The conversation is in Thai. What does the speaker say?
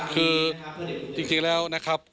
คือจริงแล้วนะครับ